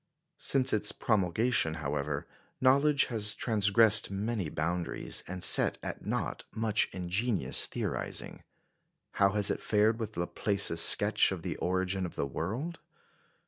Since its promulgation, however, knowledge has transgressed many boundaries, and set at naught much ingenious theorising. How has it fared with Laplace's sketch of the origin of the world?